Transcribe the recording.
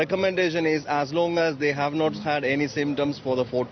rekomendasi kami adalah selama mereka tidak memiliki penyakit